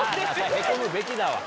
へこむべきだわ。